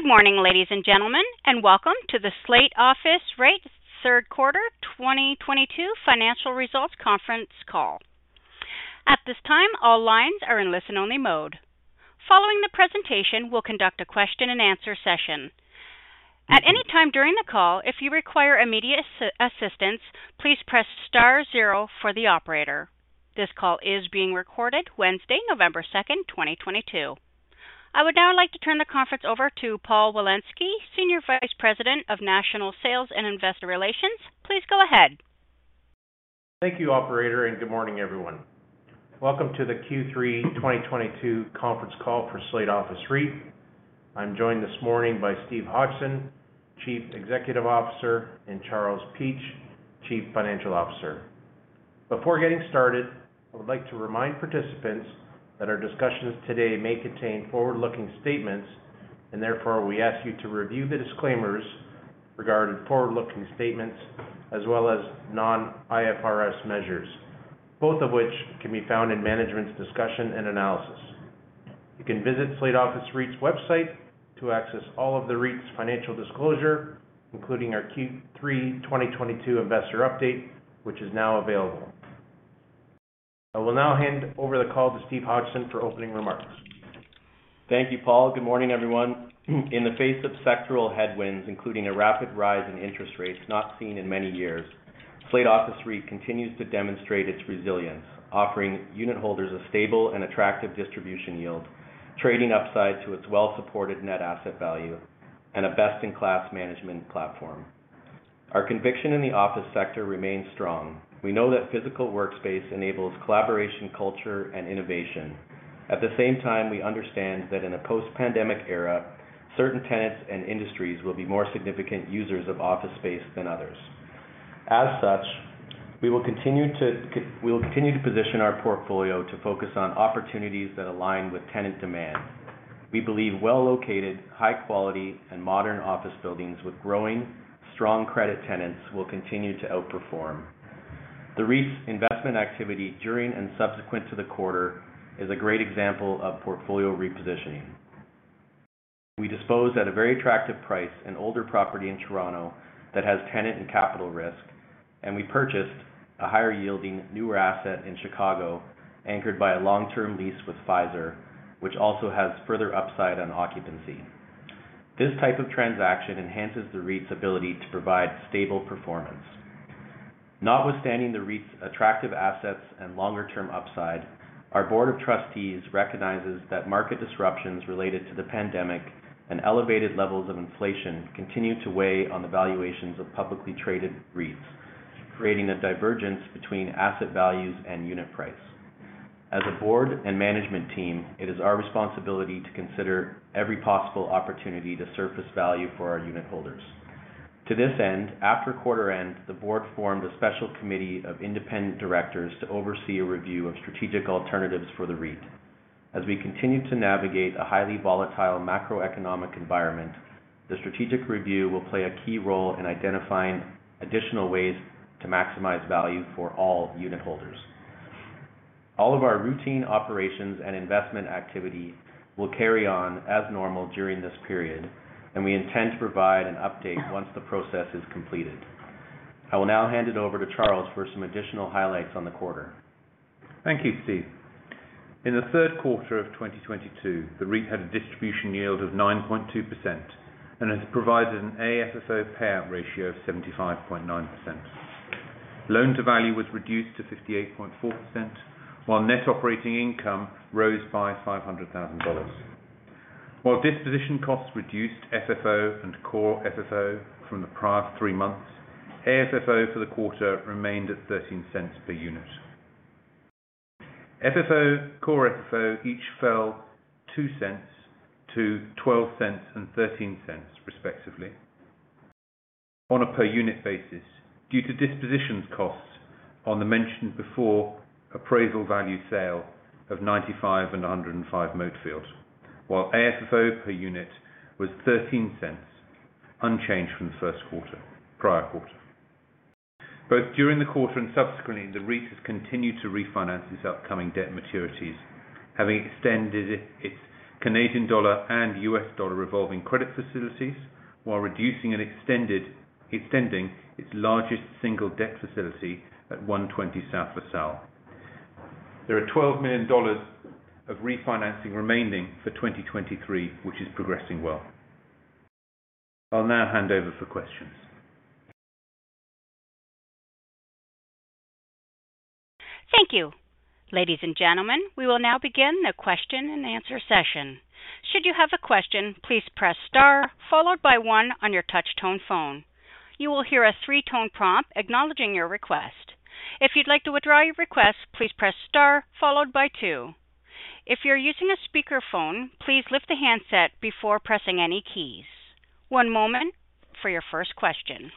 Good morning, ladies and gentlemen, and welcome to the Slate Office REIT's third quarter 2022 financial results conference call. At this time, all lines are in listen-only mode. Following the presentation, we'll conduct a question and answer session. At any time during the call, if you require immediate assistance, please press star zero for the operator. This call is being recorded Wednesday, November 2nd, 2022. I would now like to turn the conference over to Paul Wolanski, Senior Vice President of National Sales and Investor Relations. Please go ahead. Thank you, operator, and good morning, everyone. Welcome to the Q3 2022 conference call for Slate Office REIT. I'm joined this morning by Steve Hodgson, Chief Executive Officer, and Charles Peach, Chief Financial Officer. Before getting started, I would like to remind participants that our discussions today may contain forward-looking statements, and therefore we ask you to review the disclaimers regarding forward-looking statements as well as non-IFRS measures, both of which can be found in management's discussion and analysis. You can visit Slate Office REIT's website to access all of the REIT's financial disclosure, including our Q3 2022 investor update, which is now available. I will now hand over the call to Steve Hodgson for opening remarks. Thank you, Paul. Good morning, everyone. In the face of sectoral headwinds, including a rapid rise in interest rates not seen in many years, Slate Office REIT continues to demonstrate its resilience, offering unit holders a stable and attractive distribution yield, trading upside to its well-supported net asset value and a best-in-class management platform. Our conviction in the office sector remains strong. We know that physical workspace enables collaboration, culture, and innovation. At the same time, we understand that in a post-pandemic era, certain tenants and industries will be more significant users of office space than others. As such, we'll continue to position our portfolio to focus on opportunities that align with tenant demand. We believe well-located, high quality and modern office buildings with growing strong credit tenants will continue to outperform. The REIT's investment activity during and subsequent to the quarter is a great example of portfolio repositioning. We disposed of a very attractive price an older property in Toronto that has tenant and capital risk, and we purchased a higher yielding newer asset in Chicago, anchored by a long-term lease with Pfizer, which also has further upside on occupancy. This type of transaction enhances the REIT's ability to provide stable performance. Notwithstanding the REIT's attractive assets and longer-term upside, our board of trustees recognizes that market disruptions related to the pandemic and elevated levels of inflation continue to weigh on the valuations of publicly traded REITs, creating a divergence between asset values and unit price. As a board and management team, it is our responsibility to consider every possible opportunity to surface value for our unit holders. To this end, after quarter end, the board formed a special committee of independent directors to oversee a review of strategic alternatives for the REIT. As we continue to navigate a highly volatile macroeconomic environment, the strategic review will play a key role in identifying additional ways to maximize value for all unit holders. All of our routine operations and investment activity will carry on as normal during this period, and we intend to provide an update once the process is completed. I will now hand it over to Charles for some additional highlights on the quarter. Thank you, Steve. In the third quarter of 2022, the REIT had a distribution yield of 9.2% and has provided an AFFO payout ratio of 75.9%. Loan to value was reduced to 58.4%, while net operating income rose by 500,000 dollars. While disposition costs reduced FFO and core FFO from the prior three months, AFFO for the quarter remained at 0.13 per unit. FFO, core FFO each fell 0.02 to 0.12 and 0.13 respectively on a per unit basis due to disposition costs on the aforementioned appraisal value sale of 95 and 105 Moatfield, while AFFO per unit was 0.13, unchanged from the prior quarter. Both during the quarter and subsequently, the REIT has continued to refinance its upcoming debt maturities, having extended its Canadian dollar and US dollar revolving credit facilities while reducing and extending its largest single debt facility at 120 South LaSalle. There are 12 million dollars of refinancing remaining for 2023, which is progressing well. I'll now hand over for questions. Thank you. Ladies and gentlemen, we will now begin the question and answer session. Should you have a question, please press star followed by one on your touch tone phone. You will hear a three-tone prompt acknowledging your request. If you'd like to withdraw your request, please press star followed by two. If you're using a speakerphone, please lift the handset before pressing any keys. One moment for your first question.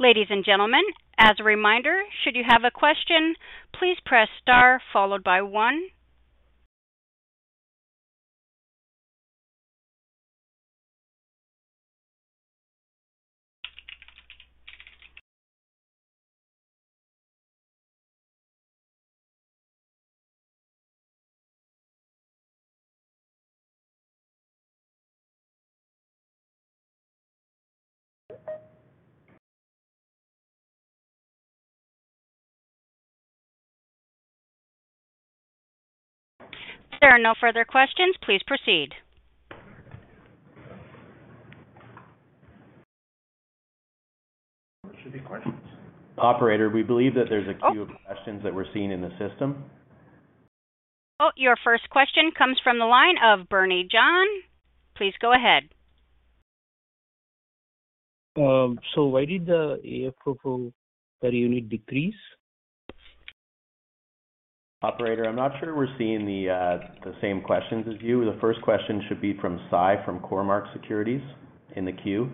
Ladies and gentlemen, as a reminder, should you have a question, please press star followed by one. If there are no further questions, please proceed. There should be questions. Operator, we believe that there's a queue of questions that we're seeing in the system. Oh, your first question comes from the line of Bernie John. Please go ahead. Why did the AFFO per unit decrease? Operator, I'm not sure we're seeing the same questions as you. The first question should be from Sai from Cormark Securities in the queue.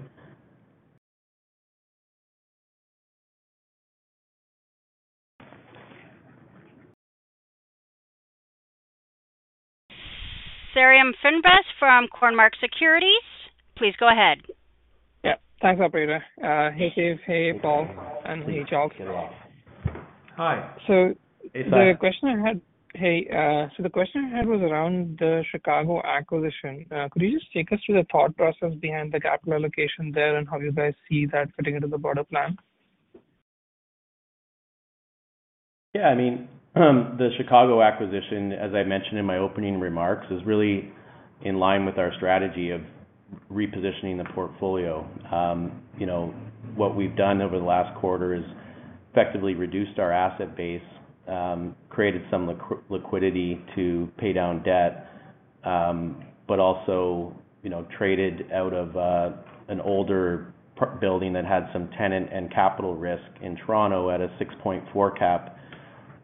Sairam Srinivas from Cormark Securities. Please go ahead. Yeah. Thanks, operator. Hey, Steve. Hey, Paul, and hey, Charles. Hi. So- Hey, Sai. Hey. The question I had was around the Chicago acquisition. Could you just take us through the thought process behind the capital allocation there and how you guys see that fitting into the broader plan? Yeah, I mean, the Chicago acquisition, as I mentioned in my opening remarks, is really in line with our strategy of repositioning the portfolio. You know, what we've done over the last quarter is effectively reduced our asset base, created some liquidity to pay down debt, but also, you know, traded out of an older building that had some tenant and capital risk in Toronto at a 6.4 cap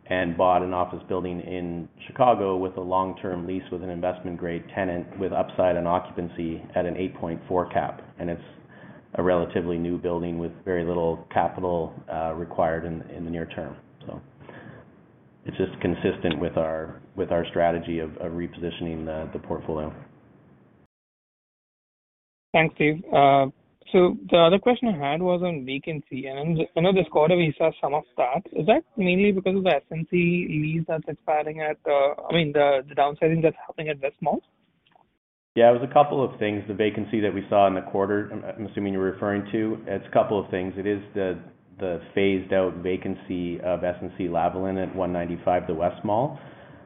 and bought an office building in Chicago with a long-term lease with an investment grade tenant with upside and occupancy at an 8.4 cap. It's a relatively new building with very little capital required in the near term. It's just consistent with our strategy of repositioning the portfolio. Thanks, Steve. The other question I had was on vacancy. I know this quarter we saw some of that. Is that mainly because of the S&P lease that's expiring at the downsizing that's happening at The West Mall? Yeah, it was a couple of things. The vacancy that we saw in the quarter, I'm assuming you're referring to, it's a couple of things. It is the phased out vacancy of SNC-Lavalin at 195 The West Mall.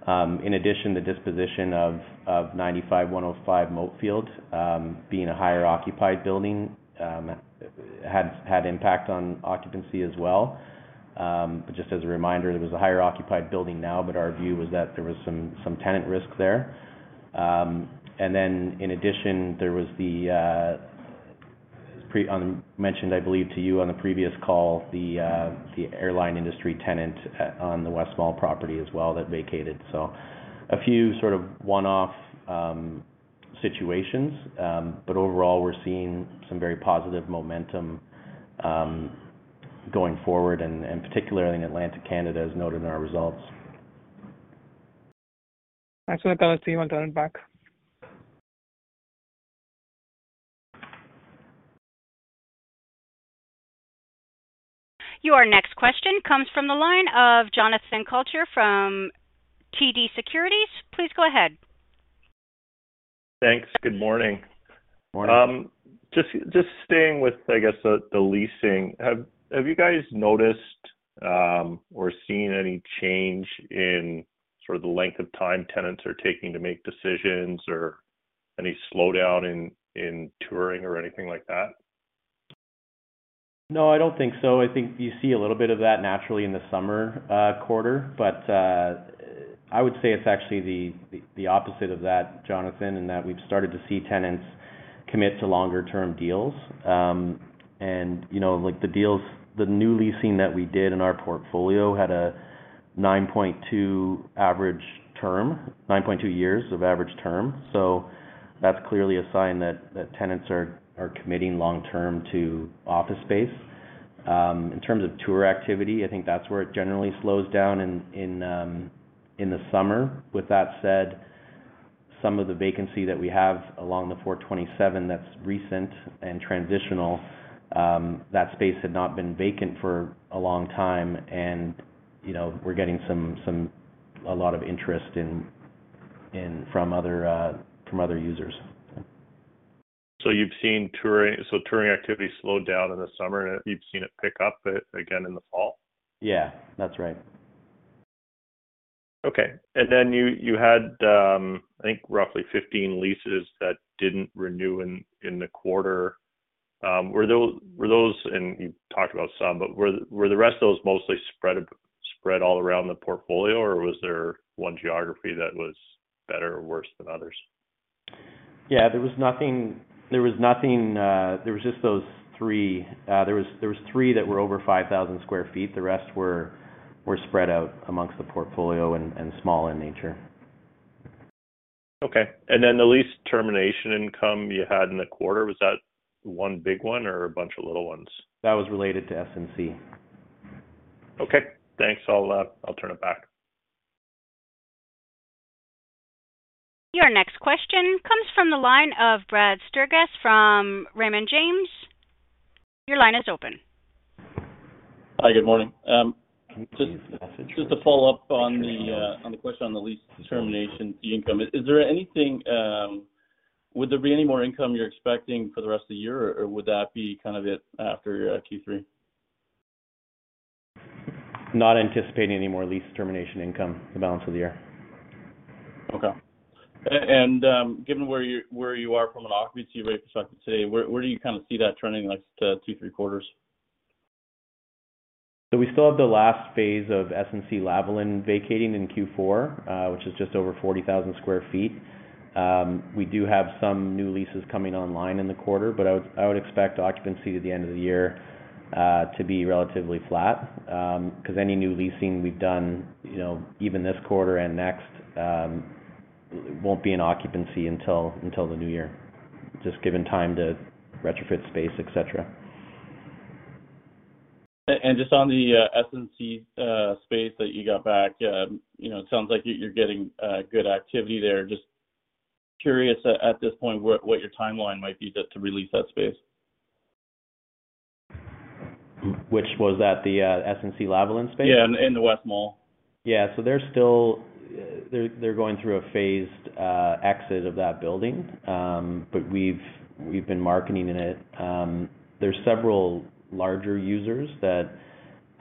In addition, the disposition of 95, 105 Moatfield, being a higher occupied building, had impact on occupancy as well. Just as a reminder, it was a higher occupied building now, but our view was that there was some tenant risk there. In addition, there was the previously mentioned, I believe to you on the previous call, the airline industry tenant on The West Mall property as well that vacated. A few sort of one-off situations. Overall, we're seeing some very positive momentum going forward and particularly in Atlantic Canada as noted in our results. Excellent. I'll see you on turn back. Your next question comes from the line of Jonathan Kelcher from TD Securities. Please go ahead. Thanks. Good morning. Morning. Just staying with, I guess, the leasing. Have you guys noticed or seen any change in sort of the length of time tenants are taking to make decisions or any slowdown in touring or anything like that? No, I don't think so. I think you see a little bit of that naturally in the summer quarter. I would say it's actually the opposite of that, Jonathan, in that we've started to see tenants commit to longer term deals. You know, like the deals, the new leasing that we did in our portfolio had a 9.2 average term, 9.2 years of average term. So that's clearly a sign that tenants are committing long term to office space. In terms of tour activity, I think that's where it generally slows down in the summer. With that said, some of the vacancy that we have along the 427 that's recent and transitional, that space had not been vacant for a long time. You know, we're getting a lot of interest in from other users. You've seen touring activity slowed down in the summer, and you've seen it pick up again in the fall? Yeah, that's right. Okay. Then you had, I think, roughly 15 leases that didn't renew in the quarter. Were those you talked about some, but were the rest of those mostly spread all around the portfolio, or was there one geography that was better or worse than others? Yeah, there was nothing. There was just those three. There was three that were over 5,000 sq ft. The rest were spread out among the portfolio and small in nature. Okay. The lease termination income you had in the quarter, was that one big one or a bunch of little ones? That was related to S&C. Okay. Thanks. I'll turn it back. Your next question comes from the line of Brad Sturges from Raymond James. Your line is open. Hi. Good morning. Just to follow up on the question on the lease termination income. Would there be any more income you're expecting for the rest of the year, or would that be kind of it after Q3? Not anticipating any more lease termination income the balance of the year. Given where you are from an occupancy rate perspective today, where do you kind of see that trending the next two, three quarters? We still have the last phase of SNC-Lavalin vacating in Q4, which is just over 40,000 sq ft. We do have some new leases coming online in the quarter, but I would expect occupancy at the end of the year to be relatively flat. 'Cause any new leasing we've done, you know, even this quarter and next, won't be in occupancy until the new year, just given time to retrofit space, et cetera. Just on the SNC-Lavalin space that you got back, you know, it sounds like you're getting good activity there. Just curious at this point what your timeline might be to re-lease that space. Which was at the SNC-Lavalin space? Yeah. In The West Mall. They're going through a phased exit of that building. But we've been marketing it. There's several larger users that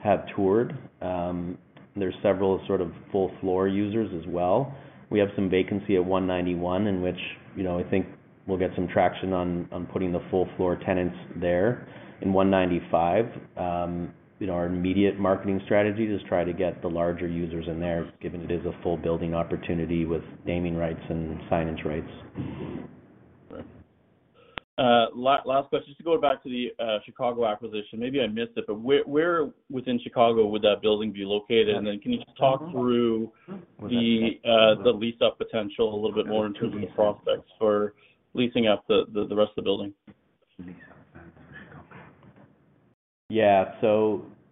have toured. There's several sort of full floor users as well. We have some vacancy at 191, in which, you know, I think we'll get some traction on putting the full floor tenants there. In 195, you know, our immediate marketing strategy is try to get the larger users in there, given it is a full building opportunity with naming rights and signage rights. Last question, just to go back to the Chicago acquisition. Maybe I missed it, but where within Chicago would that building be located? Can you just talk through the lease-up potential a little bit more in terms of the prospects for leasing up the rest of the building?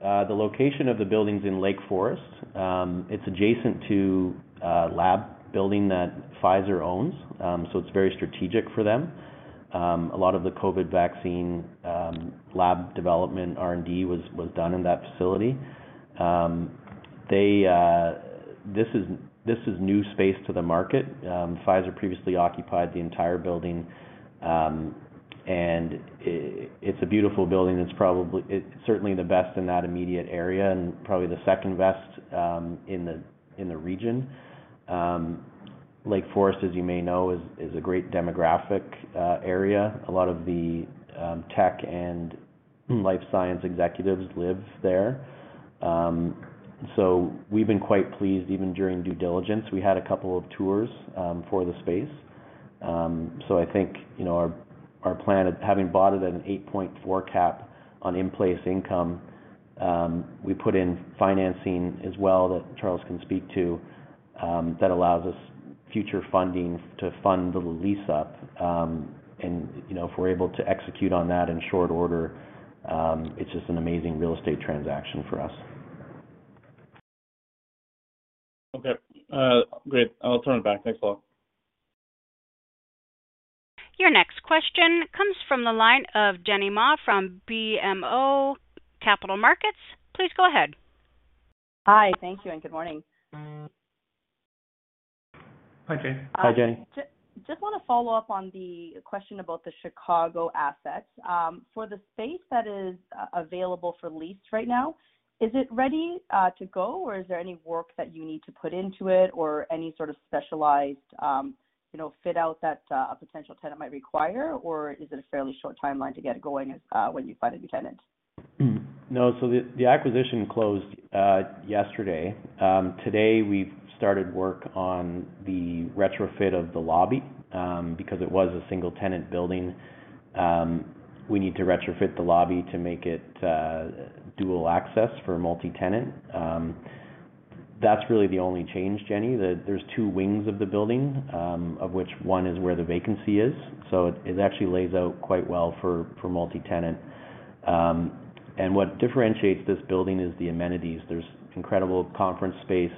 The location of the building's in Lake Forest. It's adjacent to a lab building that Pfizer owns, so it's very strategic for them. A lot of the COVID vaccine lab development R&D was done in that facility. This is new space to the market. Pfizer previously occupied the entire building. It's a beautiful building. It's certainly the best in that immediate area, and probably the second best in the region. Lake Forest, as you may know, is a great demographic area. A lot of the tech and life science executives live there. We've been quite pleased. Even during due diligence, we had a couple of tours for the space. I think, you know, our plan of having bought it at an 8.4 cap rate on in-place income. We put in financing as well, that Charles can speak to, that allows us future funding to fund the lease-up. You know, if we're able to execute on that in short order, it's just an amazing real estate transaction for us. Okay. Great. I'll turn it back. Thanks a lot. Your next question comes from the line of Jenny Ma from BMO Capital Markets. Please go ahead. Hi. Thank you, and good morning. Hi, Jenny. Hi, Jenny. Just wanna follow up on the question about the Chicago assets. For the space that is available for lease right now, is it ready to go, or is there any work that you need to put into it or any sort of specialized, you know, fit-out that a potential tenant might require, or is it a fairly short timeline to get it going, when you find a new tenant? No. The acquisition closed yesterday. Today we've started work on the retrofit of the lobby. Because it was a single-tenant building, we need to retrofit the lobby to make it dual access for multi-tenant. That's really the only change, Jenny. There's two wings of the building, of which one is where the vacancy is. It actually lays out quite well for multi-tenant. What differentiates this building is the amenities. There's incredible conference space,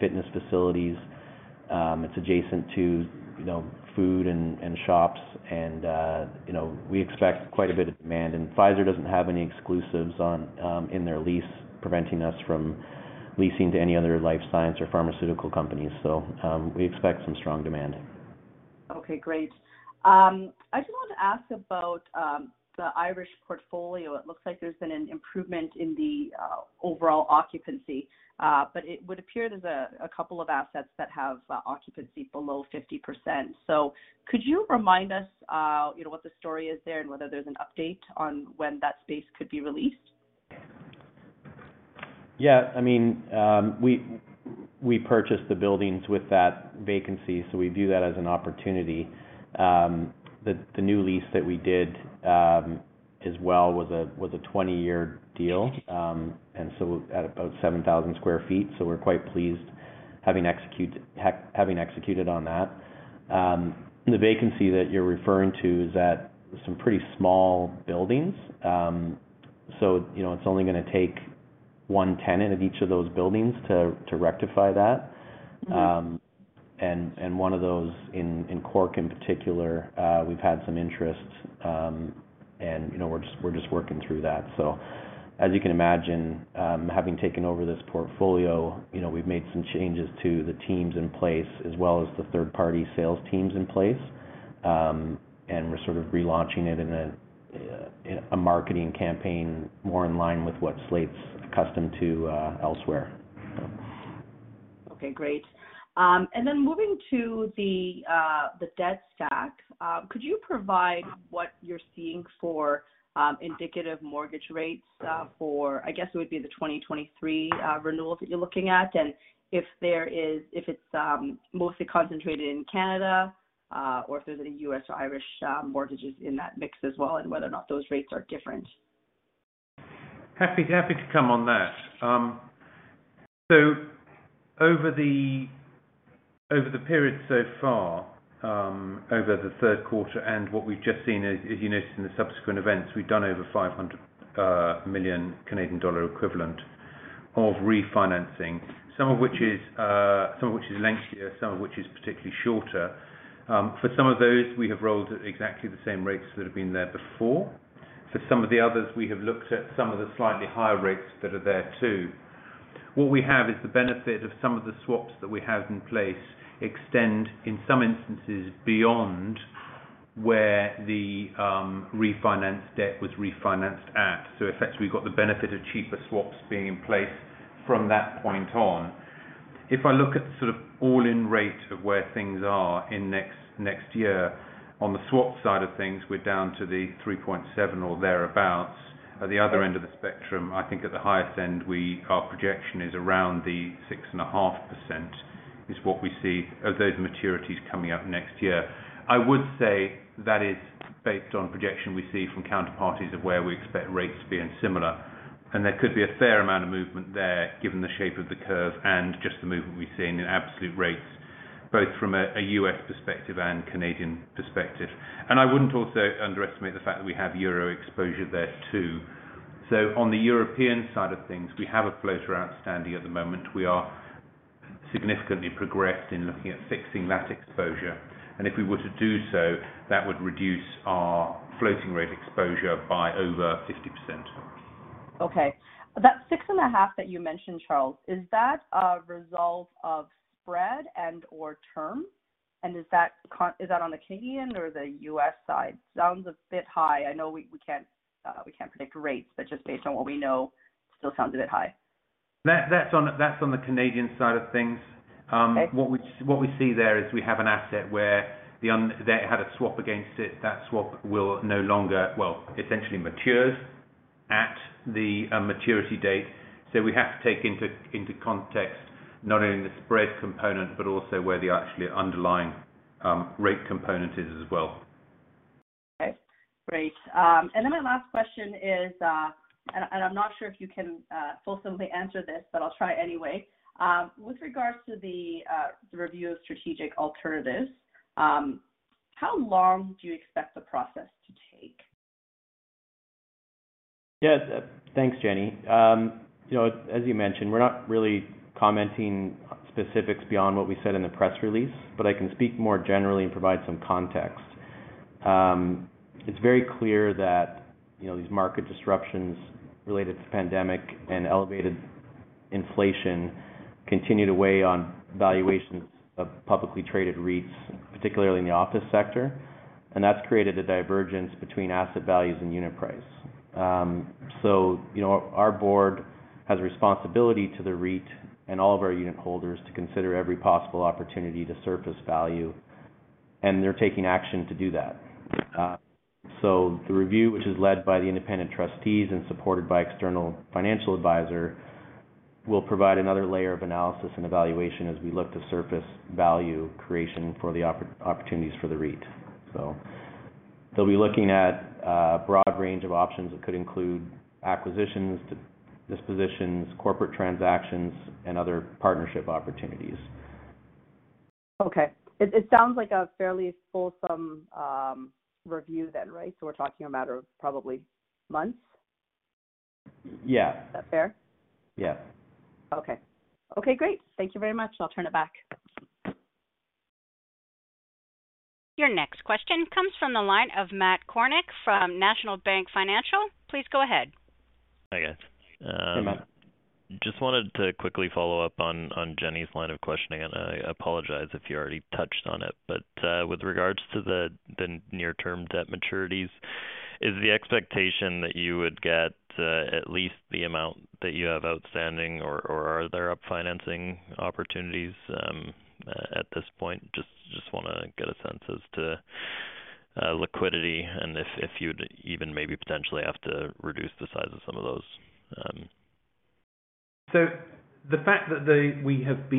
fitness facilities. It's adjacent to, you know, food and shops and, you know, we expect quite a bit of demand. Pfizer doesn't have any exclusives on in their lease preventing us from leasing to any other life science or pharmaceutical companies. We expect some strong demand. Okay, great. I just wanted to ask about the Irish portfolio. It looks like there's been an improvement in the overall occupancy, but it would appear there's a couple of assets that have occupancy below 50%. Could you remind us, you know, what the story is there and whether there's an update on when that space could be released? Yeah. I mean, we purchased the buildings with that vacancy, so we view that as an opportunity. The new lease that we did, as well, was a 20-year deal and so at about 7,000 sq ft. We're quite pleased having executed on that. The vacancy that you're referring to is at some pretty small buildings. You know, it's only gonna take one tenant of each of those buildings to rectify that. Mm-hmm. One of those in Cork in particular, we've had some interest, and you know, we're just working through that. As you can imagine, having taken over this portfolio, you know, we've made some changes to the teams in place as well as the third-party sales teams in place. We're sort of relaunching it in a marketing campaign more in line with what Slate's accustomed to, elsewhere. Okay, great. Then moving to the debt stack, could you provide what you're seeing for indicative mortgage rates for, I guess it would be the 2023 renewals that you're looking at, and if it's mostly concentrated in Canada or if there's any U.S. or Irish mortgages in that mix as well, and whether or not those rates are different. Happy to come on that. Over the period so far, over the third quarter and what we've just seen as you noted in the subsequent events, we've done over 500 million Canadian dollar equivalent of refinancing, some of which is lengthier, some of which is particularly shorter. For some of those, we have rolled at exactly the same rates that have been there before. For some of the others, we have looked at some of the slightly higher rates that are there too. What we have is the benefit of some of the swaps that we have in place extend, in some instances, beyond where the refinance debt was refinanced at. Effectively, we've got the benefit of cheaper swaps being in place from that point on. If I look at sort of all-in rate of where things are in next year, on the swap side of things, we're down to the 3.7 or thereabout. At the other end of the spectrum, I think at the highest end, our projection is around the 6.5% is what we see of those maturities coming up next year. I would say that is based on projection we see from counterparties of where we expect rates to be and similar. There could be a fair amount of movement there given the shape of the curve and just the movement we've seen in absolute rates, both from a U.S. perspective and Canadian perspective. I wouldn't also underestimate the fact that we have euro exposure there too. On the European side of things, we have a floater outstanding at the moment. We are significantly progressed in looking at fixing that exposure. If we were to do so, that would reduce our floating rate exposure by over 50%. Okay. That 6.5% that you mentioned, Charles, is that a result of spread and/or term? Is that on the Canadian or the U.S. side? Sounds a bit high. I know we can't predict rates, but just based on what we know, still sounds a bit high. That's on the Canadian side of things. Okay. What we see there is we have an asset where they had a swap against it. That swap, well, essentially matures at the maturity date. We have to take into context not only the spread component, but also where the actual underlying rate component is as well. Okay. Great. My last question is, and I'm not sure if you can fulsomely answer this, but I'll try anyway. With regards to the review of strategic alternatives, how long do you expect the process to take? Yes. Thanks, Jenny. You know, as you mentioned, we're not really commenting on specifics beyond what we said in the press release, but I can speak more generally and provide some context. It's very clear that, you know, these market disruptions related to the pandemic and elevated inflation continue to weigh on valuations of publicly traded REITs, particularly in the office sector. That's created a divergence between asset values and unit price. You know, our board has a responsibility to the REIT and all of our unit holders to consider every possible opportunity to surface value, and they're taking action to do that. The review, which is led by the independent trustees and supported by an external financial advisor, will provide another layer of analysis and evaluation as we look to surface value creation for the opportunities for the REIT. They'll be looking at a broad range of options that could include acquisitions to dispositions, corporate transactions, and other partnership opportunities. Okay. It sounds like a fairly fulsome review then, right? We're talking a matter of probably months? Yeah. Is that fair? Yeah. Okay. Okay, great. Thank you very much. I'll turn it back. Your next question comes from the line of Matt Kornack from National Bank Financial. Please go ahead. Hi, guys. Hey, Matt. Just wanted to quickly follow up on Jenny Ma's line of questioning, and I apologize if you already touched on it. With regards to the near-term debt maturities, is the expectation that you would get at least the amount that you have outstanding or are there refinancing opportunities at this point? Just wanna get a sense as to liquidity and if you'd even maybe potentially have to reduce the size of some of those. The fact that we have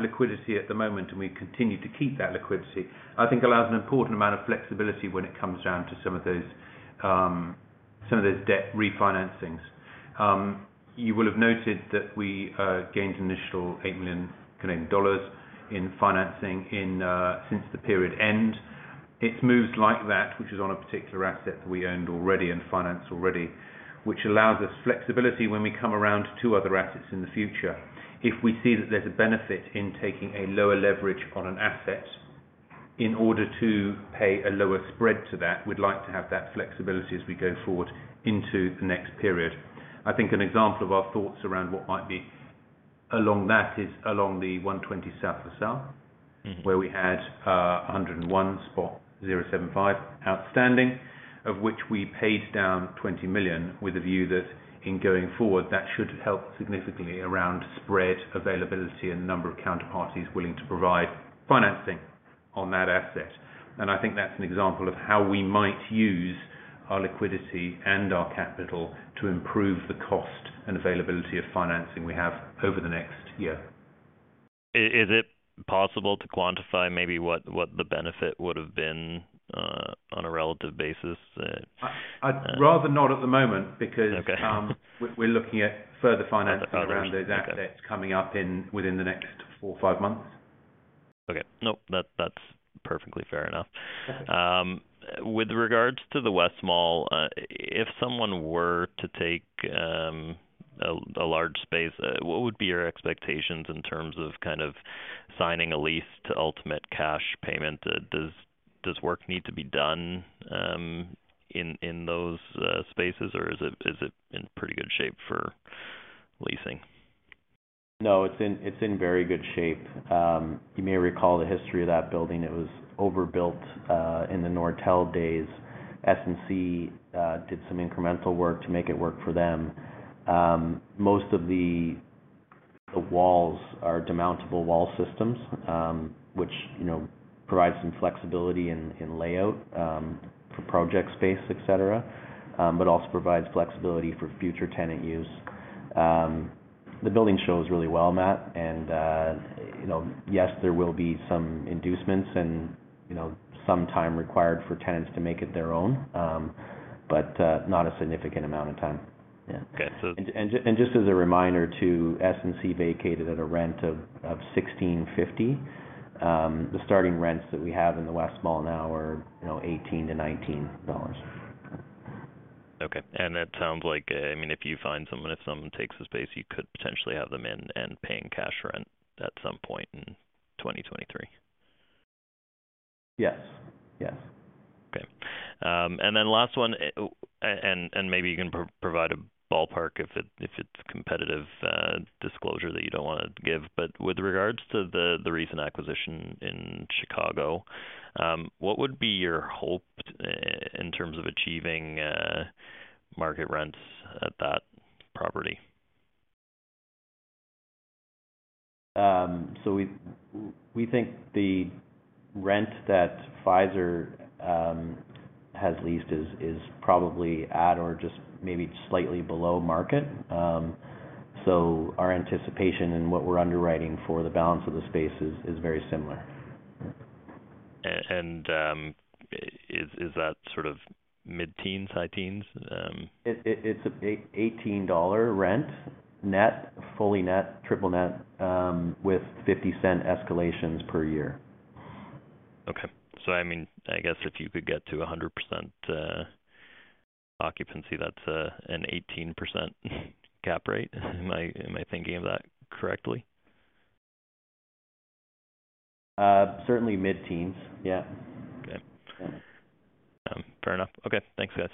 liquidity at the moment and we continue to keep that liquidity, I think allows an important amount of flexibility when it comes down to some of those debt refinancings. You will have noted that we gained additional 8 million Canadian dollars in financing since the period end. It's moves like that, which is on a particular asset that we owned already and financed already, which allows us flexibility when we come around to other assets in the future. If we see that there's a benefit in taking a lower leverage on an asset in order to pay a lower spread to that, we'd like to have that flexibility as we go forward into the next period. I think an example of our thoughts around what might be along that is the 120 South LaSalle. Mm-hmm. Where we had 101.075 million outstanding, of which we paid down 20 million with a view that in going forward, that should help significantly around spread availability and number of counterparties willing to provide financing on that asset. I think that's an example of how we might use our liquidity and our capital to improve the cost and availability of financing we have over the next year. Is it possible to quantify maybe what the benefit would've been on a relative basis? I'd rather not at the moment because. Okay. We're looking at further financing around those assets coming up within the next four or five months. Okay. Nope. That's perfectly fair enough. Okay. With regards to The West Mall, if someone were to take a large space, what would be your expectations in terms of kind of signing a lease to ultimate cash payment? Does work need to be done in those spaces, or is it in pretty good shape for leasing? No, it's in very good shape. You may recall the history of that building. It was overbuilt in the Nortel days. SNC-Lavalin did some incremental work to make it work for them. Most of the walls are demountable wall systems, which, you know, provide some flexibility in layout for project space, et cetera. But also provides flexibility for future tenant use. The building shows really well, Matt. You know, yes, there will be some inducements and, you know, some time required for tenants to make it their own. Not a significant amount of time. Yeah. Okay. Just as a reminder too, S&C vacated at a rent of 16.50. The starting rents that we have in The West Mall now are, you know, 18-19 dollars. Okay. That sounds like, I mean, if you find someone, if someone takes the space, you could potentially have them in and paying cash rent at some point in 2023. Yes. Yes. Okay. Last one, maybe you can provide a ballpark if it's competitive disclosure that you don't wanna give, but with regards to the recent acquisition in Chicago, what would be your hope in terms of achieving market rents at that property? We think the rent that Pfizer has leased is probably at or just maybe slightly below market. Our anticipation and what we're underwriting for the balance of the space is very similar. Is that sort of mid-teens, high teens? It's 18 dollar rent net, fully net, triple net, with 0.50 escalations per year. Okay. I mean, I guess if you could get to 100% occupancy, that's an 18% cap rate. Am I thinking of that correctly? Certainly mid-teens. Yeah. Okay. Yeah. Fair enough. Okay. Thanks, guys.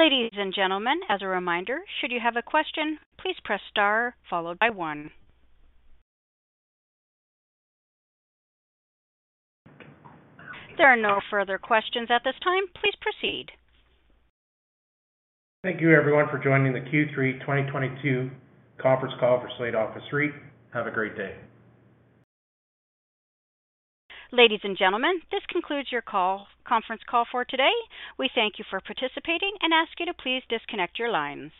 Ladies and gentlemen, as a reminder, should you have a question, please press star followed by one. There are no further questions at this time. Please proceed. Thank you everyone for joining the Q3 2022 conference call for Slate Office REIT. Have a great day. Ladies and gentlemen, this concludes your call, conference call for today. We thank you for participating and ask you to please disconnect your lines.